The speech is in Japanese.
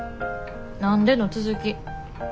「何で」の続き。